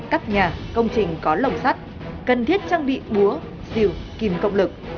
bốn các nhà công trình có lồng sắt cần thiết trang bị búa diều kìm cộng lực